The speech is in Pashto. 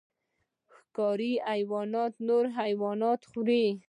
ښکاري حیوانات نور حیوانات خوري